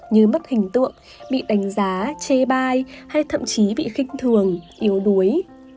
như mất hình tượng bị đánh giá chê bai hay thậm chí bị khích thường yếu đuối